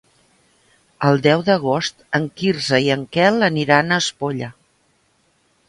El deu d'agost en Quirze i en Quel aniran a Espolla.